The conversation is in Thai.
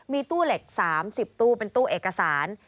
มีตู้เหล็ก๓๐ตู้เป็นตู้เอกสาร